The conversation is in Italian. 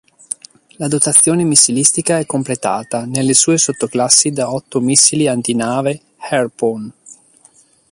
La dotazione missilistica è completata nelle due sottoclassi da otto missili antinave Harpoon.